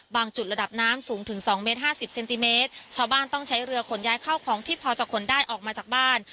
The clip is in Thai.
จุดระดับน้ำสูงถึงสองเมตรห้าสิบเซนติเมตรชาวบ้านต้องใช้เรือขนย้ายเข้าของที่พอจะขนได้ออกมาจากบ้าน